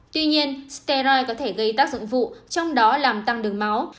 tuy nhiên sterine có thể gây tác dụng vụ trong đó làm tăng đường máu